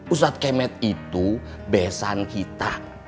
ustadz kemet itu besan kita